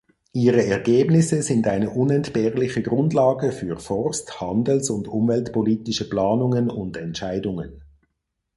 Ihre Ergebnisse sind eine unentbehrliche Grundlage für forst-, handels- und umweltpolitische Planungen und Entscheidungen.